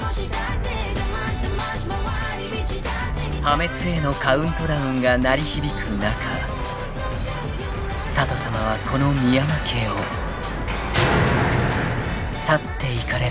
［破滅へのカウントダウンが鳴り響く中佐都さまはこの深山家を去っていかれたのでございます］